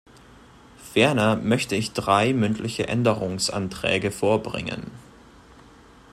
Ferner möchte ich drei mündliche Änderungsanträge vorbringen.